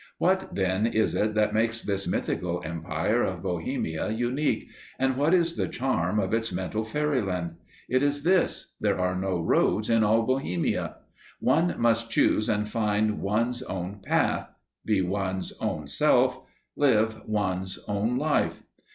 What, then, is it that makes this mythical empire of Bohemia unique, and what is the charm of its mental fairyland? It is this: there are no roads in all Bohemia! One must choose and find one's own path, be one's own self, live one's own life.